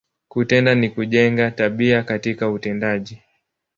Kutenda, ni kujenga, tabia katika utendaji.